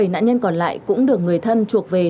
bảy nạn nhân còn lại cũng được người thân chuộc về